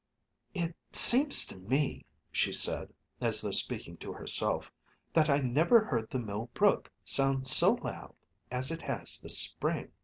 "It seems to me," she said, as though speaking to herself, "that I never heard the Mill Brook sound so loud as it has this spring."